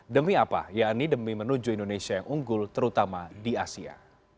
demi apa yakni demi menuju indonesia yang unggul terutama di asia